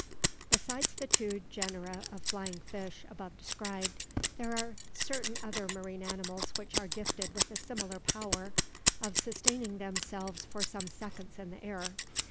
Besides the two genera of flying fish above described, there are certain other marine animals which are gifted with a similar power of sustaining themselves for some seconds in the air.